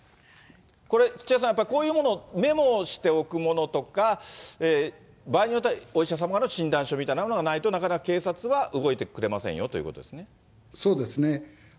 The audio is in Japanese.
これ、土屋さん、やっぱりこういうものをメモをしておくものとか、場合によっては、お医者様の診断書みたいなものがないと、なかなか警察は動いてくれませんよということですね。